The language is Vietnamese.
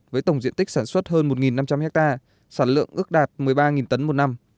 với tổng diện tích sản xuất hơn một năm trăm linh hectare sản lượng ước đạt một mươi ba tấn một năm